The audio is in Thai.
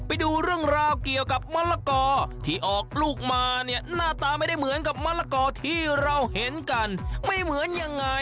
มาดูเรื่องมากเกี่ยวกับมะละโกะที่ออกลูกมาไม่เหมือนกับมะละโกะที่เราเห็นกัน